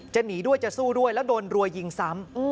จะหนีด้วยจะสู้ด้วยแล้วโดนรัวยิงซ้ำ